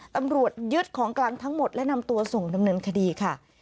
ตำรวจยึดของกลางทั้งหมดและนำตัวส่งดำเนินคดีค่ะ